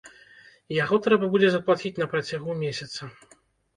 Яго трэба будзе заплаціць на працягу месяца.